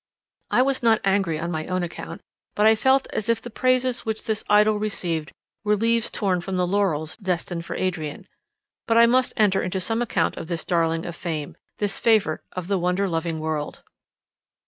I was not angry on my own account, but I felt as if the praises which this idol received were leaves torn from laurels destined for Adrian. But I must enter into some account of this darling of fame—this favourite of the wonder loving world.